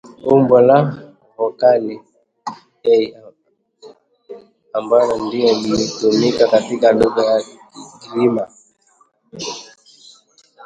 umbo la vokali [a] ambayo ndiyo inayotumika katika lugha ya Kigiryama